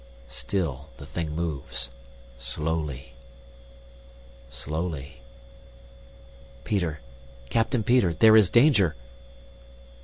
Still the thing moves, slowly, slowly. Peter! Captain Peter, there is danger!